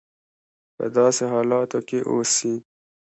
په داسې حالاتو کې اوسي.